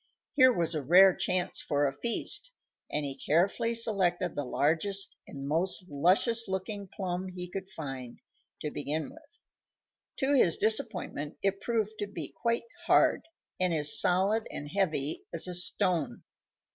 Here was a rare chance for a feast, and he carefully selected the largest and most luscious looking plum he could find, to begin with. To his disappointment it proved to be quite hard, and as solid and heavy as a stone.